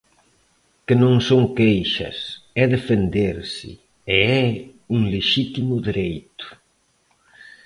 Que non son queixas, é defenderse, e é un lexítimo dereito.